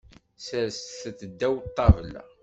Serset-t ddaw ṭṭabla.